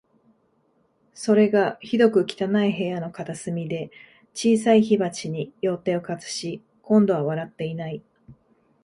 それが、ひどく汚い部屋の片隅で、小さい火鉢に両手をかざし、今度は笑っていない